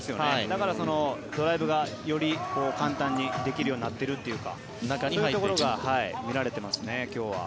だからドライブがより簡単にできるようになっているというかそういうところが見られてますね今日は。